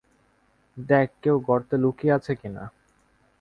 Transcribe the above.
দেখ কেউ গর্তে লুকিয়ে আছে কিনা।